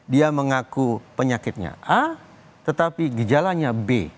dia mengaku penyakitnya a tetapi gejalanya b